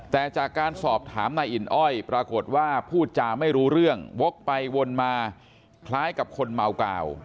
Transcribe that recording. แต่จากการสอบถามนายอินอ้อยปรากฏว่าพูดจาไม่รู้เรื่องวกไปวนมาคล้ายกับคนเมากาว